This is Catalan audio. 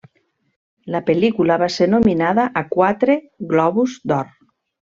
La pel·lícula va ser nominada a quatre Globus d'Or.